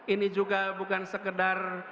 ini juga bukan sekedar